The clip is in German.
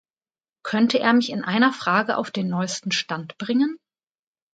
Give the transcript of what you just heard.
Könnte er mich in einer Frage auf den neuesten Stand bringen?